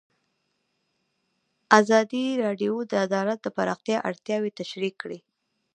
ازادي راډیو د عدالت د پراختیا اړتیاوې تشریح کړي.